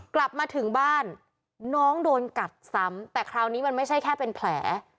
กลับมาถึงบ้านน้องโดนกัดซ้ำแต่คราวนี้มันไม่ใช่แค่เป็นแผล